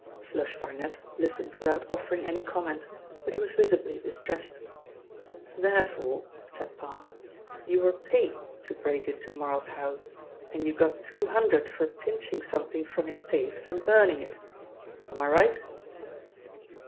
'Flush' Barnet listened without offering any comment, but he was visibly distressed. "Therefore," said Parr, "you were paid to break into Marl's house and you got two hundred for pinching something from his safe and burning it. Am I right?"